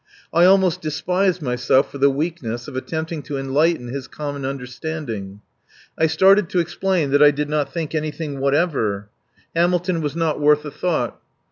I almost despised myself for the weakness of attempting to enlighten his common understanding. I started to explain that I did not think anything whatever. Hamilton was not worth a thought.